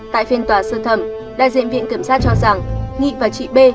tại phiên tòa sơ thẩm đại diện viện kiểm sát cho rằng nghị và chị b